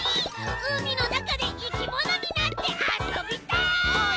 うみのなかでいきものになってあそびたい！